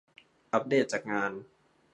อัปเดตจากงาน